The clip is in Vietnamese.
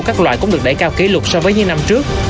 các loại cũng được đẩy cao kỷ lục so với những năm trước